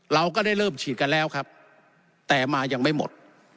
เราก็ได้เริ่มฉีดกันแล้วครับแต่มายังไม่หมด